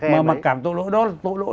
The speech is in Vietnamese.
mà mặt cảm tội lỗi đó là tội lỗi